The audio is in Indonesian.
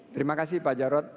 terima kasih pak ajarot